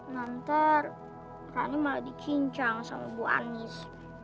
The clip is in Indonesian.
nanti rani malah dikincang sama bu anies